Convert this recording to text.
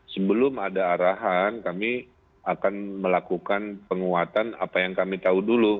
sebelum ada arahan kami akan melakukan penguatan apa yang kami tahu dulu